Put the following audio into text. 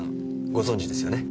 ご存じですよね？